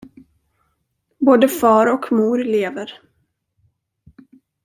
Både far och mor lever.